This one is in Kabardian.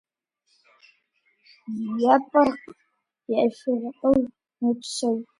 Епӏыркъ-ешыркъыу мэпсэу.